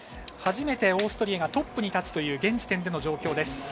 初めてオーストリアがトップに立つという現時点での状況です。